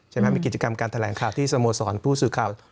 มีกิจกรรมการแถลงข่าวที่สโมสรผู้สื่อข่าว